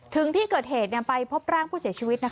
ถึงที่เกิดเหตุไปพบร่างผู้เสียชีวิต